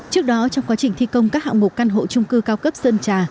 trước đó trong quá trình thi công các hạng mục căn hộ trung cư cao cấp sơn trà